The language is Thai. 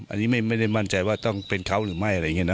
อันนี้ไม่ได้มั่นใจว่าต้องเป็นเขาหรือไม่อะไรอย่างนี้นะ